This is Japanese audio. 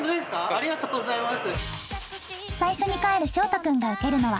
ありがとうございます。